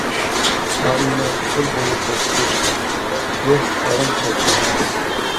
ئائىلە بىر دېڭىز قولتۇقى، روھ ئارام تاپىدىغان جاي.